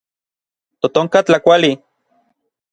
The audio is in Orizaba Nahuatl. Totonka tlakuali.